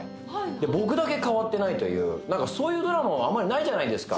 僕だけ変わってないというそういうドラマあまりないじゃないですか。